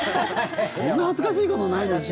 こんな恥ずかしいことないでしょ。